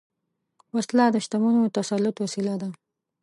وسله د شتمنو د تسلط وسیله ده